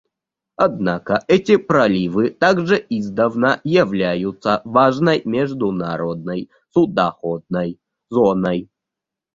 Однако эти проливы также издавна являются важной международной судоходной зоной.